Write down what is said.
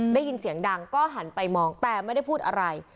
ได้ยินเสียงดังก็หันไปมองแต่ไม่ได้พูดอะไร